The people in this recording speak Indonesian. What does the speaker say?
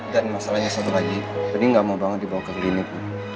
dan masalahnya satu lagi nini gak mau banget dibawa ke klinik